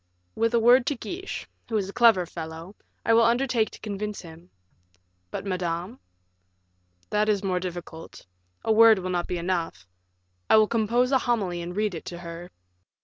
"With a word to Guiche, who is a clever fellow, I will undertake to convince him." "But Madame?" "That is more difficult; a word will not be enough. I will compose a homily and read it to her."